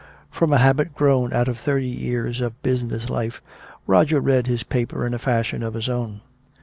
From a habit grown out of thirty odd years of business life, Roger read his paper in a fashion of his own.